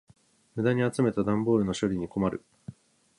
無駄に集めた段ボールの処理に困る。